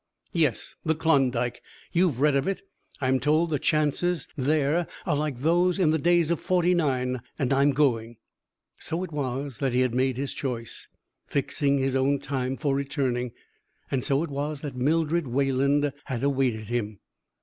"Yes! The Klondike. You have read of it? I am told that the chances there are like those in the days of '49, and I am going." So it was that he had made his choice, fixing his own time for returning, and so it was that Mildred Wayland had awaited him.